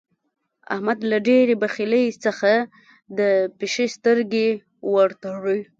احمد له ډېرې بخيلۍ څخه د پيشي سترګې ور تړي.